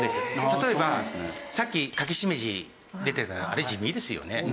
例えばさっきカキシメジ出てたあれ地味ですよね。